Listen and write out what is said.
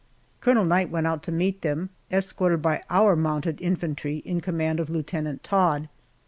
Colonel Knight went out to meet them, escorted by our mounted infantry in command of Lieutenant Todd.